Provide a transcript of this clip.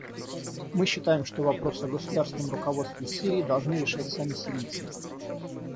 Мы считаем, что вопрос о государственном руководстве Сирией должны решать сами сирийцы.